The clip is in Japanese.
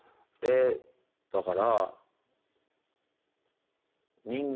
えだから。